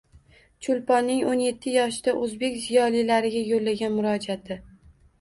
Cho‘lponning o‘n yetti yoshida o‘zbek ziyolilariga yo‘llagan murojaati